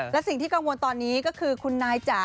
และสิ่งที่กังวลตอนนี้ก็คือคุณนายจ๋า